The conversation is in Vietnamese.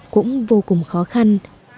cũng vô cùng khó khăn